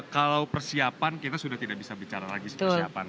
kalau persiapan kita sudah tidak bisa bicara lagi persiapan